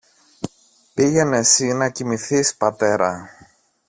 Πήγαινε συ να κοιμηθείς, πατέρα